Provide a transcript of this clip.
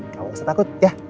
gak usah takut ya